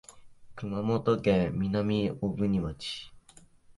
熊本県南小国町